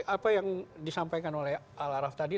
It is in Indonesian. apa yang disampaikan oleh al araf tadi